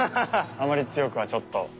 あんまり強くはちょっと。